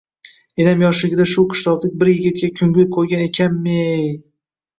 Enam yoshligida shu qishloqlik bir yigitga koʼngil qoʼygan ekanmi-ey…